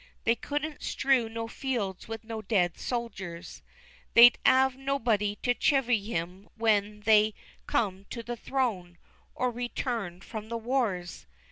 They couldn't strew no fields with no dead soldiers. They'd 'ave nobody to chivy 'em when they come to the throne, or returned from the wars.